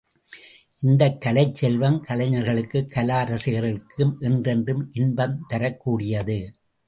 இந்தக் கலைச் செல்வம், கலைஞர்களுக்கும் கலா ரசிகர்களுக்கும் என்றென்றும் இன்பம் தரக் கூடியது.